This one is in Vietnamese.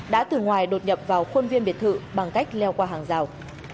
đã từ ngoài đột nhập vào khuôn viên biệt thự bằng cách leo qua hàng rào